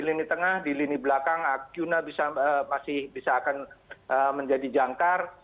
karena keadaan podcast merupakan process yang cukup